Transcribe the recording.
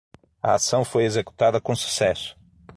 A ação foi executada com sucesso